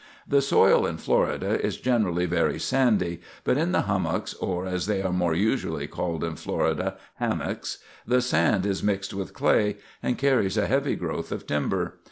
"The soil in Florida is generally very sandy; but in the hummocks, or, as they are more usually called in Florida, 'hammocks,' the sand is mixed with clay, and carries a heavy growth of timber.